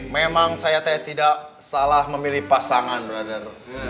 memang saya tidak salah memilih pasangan brother